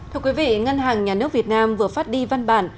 thưa quý vị ngân hàng nhà nước việt nam vừa phát đi văn bản